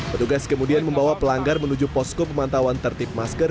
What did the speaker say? petugas kemudian membawa pelanggar menuju posko pemantauan tertib masker